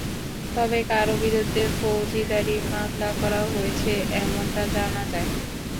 তবে কারও বিরুদ্ধে ফৌজদারি মামলা করা হয়েছে এমনটা জানা যায় না।